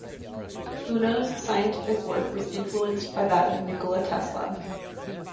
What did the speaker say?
Unno's scientific work was influenced by that of Nikola Tesla.